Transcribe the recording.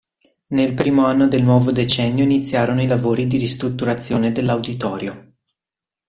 Nel primo anno del nuovo decennio iniziarono i lavori di ristrutturazione dell'auditorio.